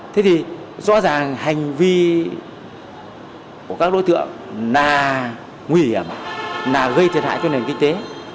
thế thì rõ ràng hành vi của các đối tượng là nguy hiểm là gây thiệt hại cho nền kinh tế